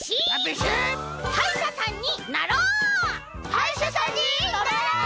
「はいしゃさんになろう！」。